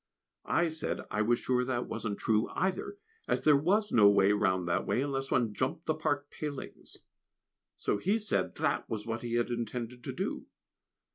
I said I was sure that wasn't true either, as there was no way round that way, unless one jumped the park palings. So he said that was what he had intended to do.